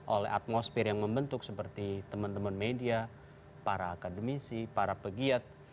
oleh atmosfer yang membentuk seperti teman teman media para akademisi para pegiat